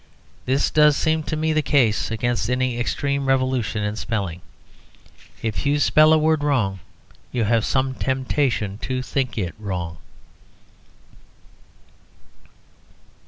This does seem to me the case against any extreme revolution in spelling. If you spell a word wrong you have some temptation to think it wrong.